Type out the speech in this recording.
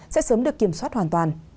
sẽ sớm được kiểm soát hoàn toàn